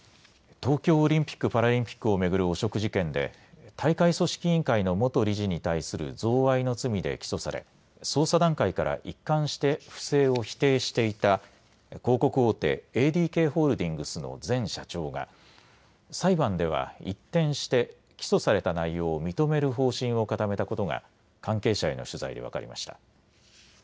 東京オリンピック・パラリンピックを巡る汚職事件で大会組織委員会の元理事に対する贈賄の罪で起訴され捜査段階から一貫して不正を否定していた広告大手、ＡＤＫホールディングスの前社長が裁判では一転して起訴された内容を認める方針を固めたことが関係者への取材で分かりました。